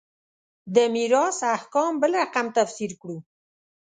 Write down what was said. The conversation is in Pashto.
د میراث احکام بل رقم تفسیر کړو.